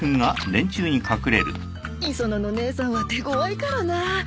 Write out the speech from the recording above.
磯野の姉さんは手ごわいからな。